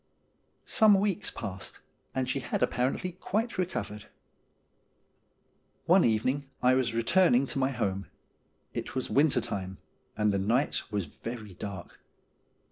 Some weeks passed, and she had apparently quite recovered. One evening I was returning to my home. It was winter time, and the night was very dark.